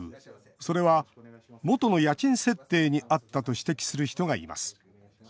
それは、元の家賃設定にあったと指摘する人がいます。